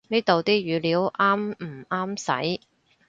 呢度啲語料啱唔啱使